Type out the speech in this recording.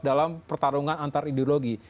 dalam pertarungan antar ideologi